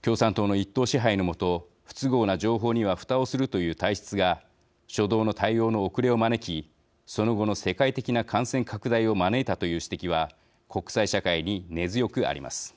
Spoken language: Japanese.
共産党の一党支配の下不都合な情報にはふたをするという体質が初動の対応の遅れを招きその後の世界的な感染拡大を招いたという指摘は国際社会に根強くあります。